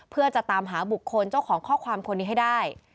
เพื่อจะตามหาบุคคลเจ้าของข้อความคนนี้ให้ได้